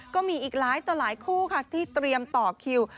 ก็มีอีกหลายต่อหลายคู่ค่ะที่เตรียมต่อคิว